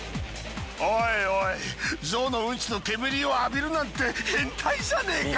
おいおいゾウのウンチの煙を浴びるなんて変態じゃねえか？